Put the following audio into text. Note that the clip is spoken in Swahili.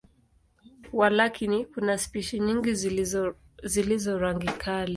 Walakini, kuna spishi nyingi zilizo rangi kali.